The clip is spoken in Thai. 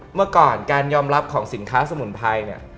เมื่อก่อนการยอมรับของสินค้าสมุนไพรเนี่ย